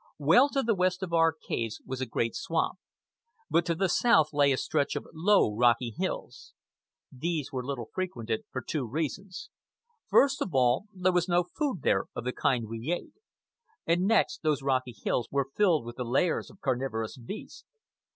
Well to the west of our caves was a great swamp, but to the south lay a stretch of low, rocky hills. These were little frequented for two reasons. First of all, there was no food there of the kind we ate; and next, those rocky hills were filled with the lairs of carnivorous beasts.